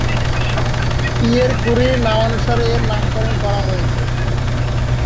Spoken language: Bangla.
পিয়ের ক্যুরির নামানুসারে এর নামকরণ করা হয়েছে।